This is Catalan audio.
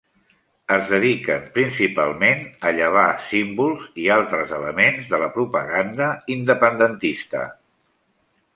Es dediquen principalment a llevar símbols i altres elements de la propaganda independentista.